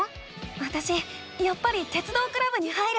わたしやっぱり鉄道クラブに入る。